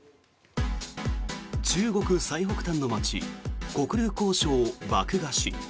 中国最北端の街黒竜江省漠河市。